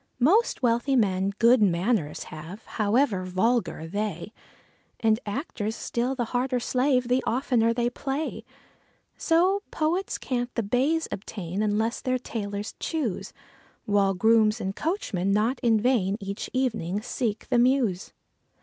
Most wealthy men good manors have, however vulgar they; And actors still the harder slave the oftener they play. So poets can't the baize obtain, unless their tailors choose; While grooms and coachmen not in vain each evening seek the Mews.